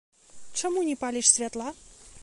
Чаму не паліш святла?